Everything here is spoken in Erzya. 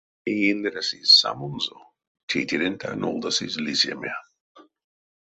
Неиндерясызь самонзо, тейтеренть а нолдасызь лисеме.